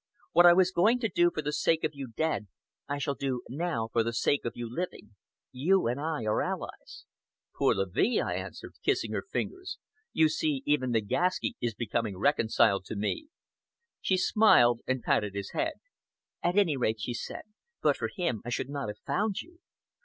What I was going to do for the sake of you dead, I shall do now for the sake of you living. You and I are allies!" "Pour la vie!" I answered, kissing her fingers; "you see even Nagaski is becoming reconciled to me." She smiled and patted his head. "At any rate," she said, "but for him I should not have found you!